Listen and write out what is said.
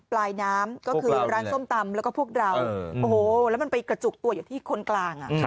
ปลายน้ำก็คือร้านส้มตำแล้วก็พวกเราโอ้โหแล้วมันไปกระจุกตัวอยู่ที่คนกลาง